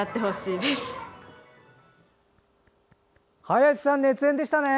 林さん熱演でしたね！